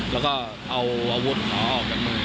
แล้วก็เอาอาวุธของเขาออกกันมือ